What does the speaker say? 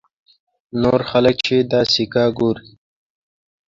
نور خلک چې دا سکه ګوري.